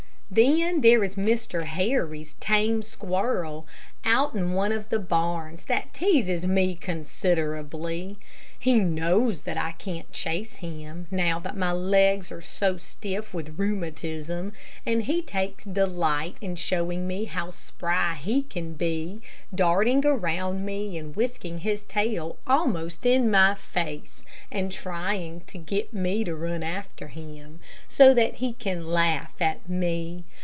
Then there is Mr. Harry's tame squirrel out in one of the barns that teases me considerably. He knows that I can't chase him, now that my legs are so stiff with rheumatism, and he takes delight in showing me how spry he can be, darting around me and whisking his tail almost in my face, and trying to get me to run after him, so that he can laugh at me.